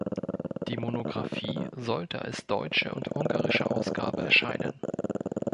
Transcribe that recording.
Die Monographie sollte als deutsche und ungarische Ausgabe erscheinen.